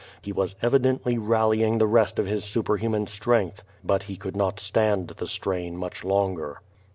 He was evidently rallying the rest of his superhuman strength. But he could not stand the strain much longer.